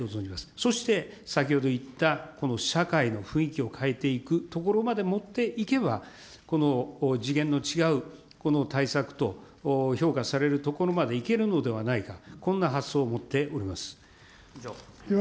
そして、先ほど言った社会の雰囲気を変えていくところまで持っていけば、この次元の違う対策と、評価されるところまでいけるのではないか、こんな発想を持っております。